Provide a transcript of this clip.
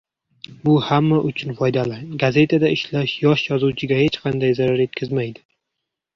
Bu hamma uchun foydali. Gazetada ishlash yosh yozuvchiga hech qanday zarar yetkazmaydi